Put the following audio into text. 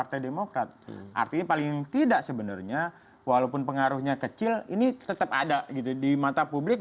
tapi silakan diproses secara tuntas